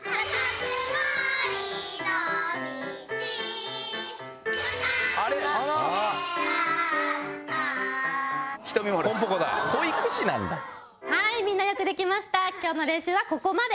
くまさんにであったみんなよくできました今日の練習はここまで。